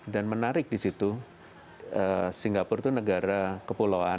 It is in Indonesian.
dan menarik di situ singapura itu negara kepulauan